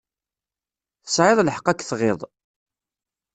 Tesεiḍ lḥeqq ad k-tɣiḍ.